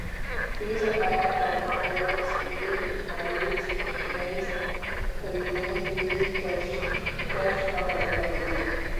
چینی سرمایہ کاروں کو اسٹیل ملز خریدنے کی پیشکش کا فیصلہ تبدیل